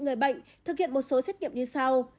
người bệnh thực hiện một số xét nghiệm như sau